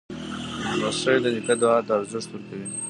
لمسی د نیکه دعا ته ارزښت ورکوي.